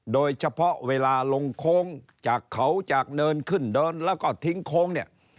โดยเฉพาะเวลาลงโค้งจากเขาจากเนินขึ้นเดินแล้วก็ทิ้งโค้งเนี่ย